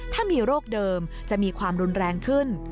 ถ้ามีโรคเดิมจะมีความรุนแรงขึ้น